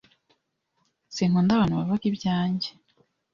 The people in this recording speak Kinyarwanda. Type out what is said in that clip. Sinkunda abantu bavuga ibyanjye.